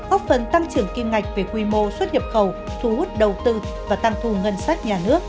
ốc phấn tăng trưởng kim ngạch về quy mô xuất hiệp cầu thu hút đầu tư và tăng thu ngân sách nhà nước